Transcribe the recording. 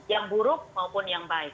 yang buruk maupun yang baik